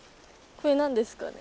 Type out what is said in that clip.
これ何ですかね？